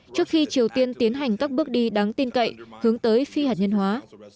trước khi triều tiên tiến hành các bước đi đáng tin cậy hướng tới phi hạt nhân hóa